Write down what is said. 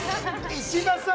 石破さん